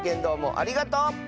どうもありがとう！